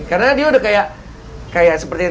karena dia udah kayak kayak seperti yang